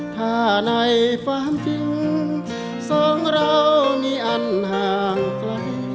ถ้าในความจริงสองเรานี่อันห่างไกล